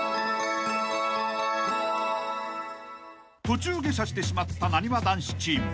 ［途中下車してしまったなにわ男子チーム］